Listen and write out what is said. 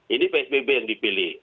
ini psbb yang dipilih